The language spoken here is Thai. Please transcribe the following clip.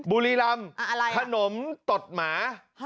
บุรีรำขนมตดหมา